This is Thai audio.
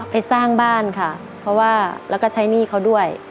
ไปสร้างบ้านค่ะแล้วก็ใช้หนี้เขาด้วย